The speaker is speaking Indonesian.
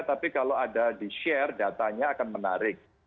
tapi kalau ada di share datanya akan menarik